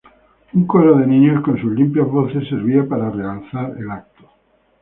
Un coro de niños con sus limpias voces servía para realzar el acto.